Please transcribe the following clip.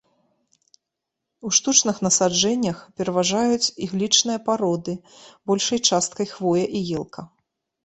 У штучных насаджэннях пераважаюць іглічныя пароды, большай часткай хвоя і елка.